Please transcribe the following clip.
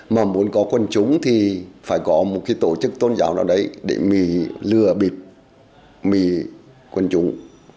mà muốn có quân chúng thì phải có một tổ chức tôn giáo nào đấy để lừa bị quân chúng